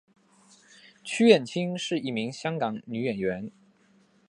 区燕青是一名香港女演员。